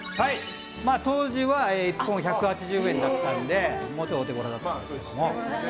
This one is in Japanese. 当時は１本１８０円だったのでもうちょっとお手頃だったんですけど。